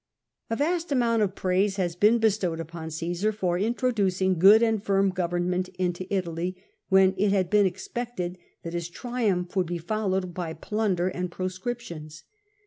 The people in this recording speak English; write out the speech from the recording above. A vast amount of praise has been bestowed upon Caesar for introducing good and firm government into Italy, wheix it had been expected that his triumph would be fol lowed by plunder and proscriptions.